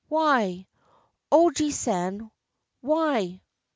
why? Ojiisan! why?